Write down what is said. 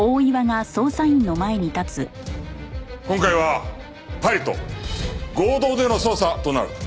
今回はパリと合同での捜査となる。